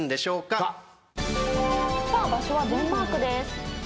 さあ、場所はデンマークです。